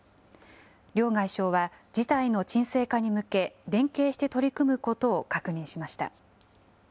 両外相は、事態の沈静化に向け、連携して取り組むことを確認しました。